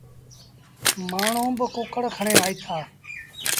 مآڻهوٚݩ با ڪُڪڙ کڻي آئيٚتآ۔